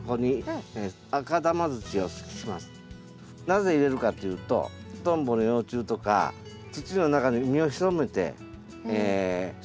なぜ入れるかというとトンボの幼虫とか土の中で身を潜めて生活をします。